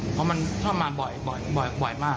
เพราะมันพอมาบ่อยบ่อยมาก